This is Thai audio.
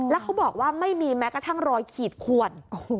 แล้วเขาบอกว่าไม่มีแม้กระทั่งรอยขีดขวน